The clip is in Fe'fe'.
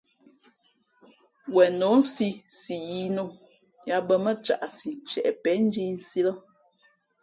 Wen nǒ nsī si yīī nō yāā bᾱ mά caʼsi ntieʼ pěn njīīsī lά.